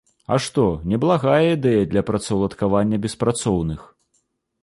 А што, неблагая ідэя для працаўладкавання беспрацоўных!